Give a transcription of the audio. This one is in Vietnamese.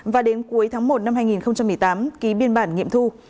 và đến cuối tháng một năm hai nghìn một mươi tám ký biên bản nghiệm thu